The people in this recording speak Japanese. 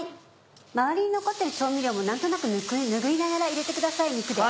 周りに残ってる調味料も何となく拭いながら入れてください肉で。